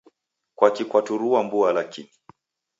Kwakii kwaturua mbua lakini?